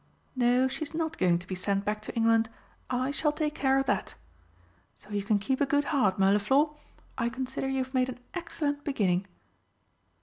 No, she is not going to be sent back to England. I shall take care of that. So you can keep a good heart, Mirliflor. I consider you have made an excellent beginning!"